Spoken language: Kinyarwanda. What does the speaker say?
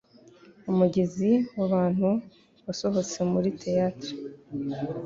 Umugezi wabantu wasohotse muri theatre.